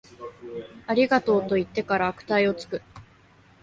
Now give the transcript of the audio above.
ありがとう、と言ってから悪態をつく